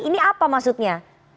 ini apa maksudnya